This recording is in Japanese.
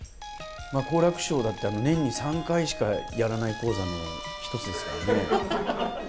好楽師匠だって、年に３回しかやらない高座の１つですからね。